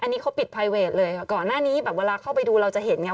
อันนี้เขาปิดไพเวทเลยค่ะก่อนหน้านี้แบบเวลาเข้าไปดูเราจะเห็นไง